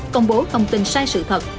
công bố thông tin sai sự thật